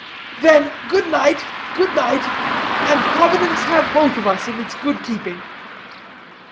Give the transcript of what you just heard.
"Then, good night, good night; and Providence have both of us in its good keeping."